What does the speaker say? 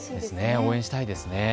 応援したいですね。